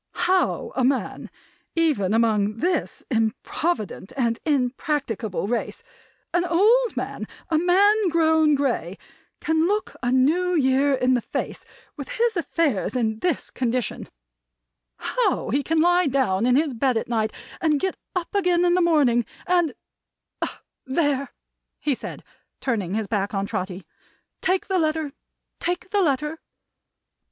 "How a man, even among this improvident and impracticable race; an old man; a man grown grey; can look a New Year in the face with his affairs in this condition; how he can lie down on his bed at night, and get up again in the morning, and There!" he said, turning his back on Trotty. "Take the letter! Take the letter!"